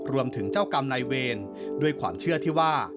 รวมถึงเจ้ากรรมนายเวรด้วยความเชื่อที่ว่า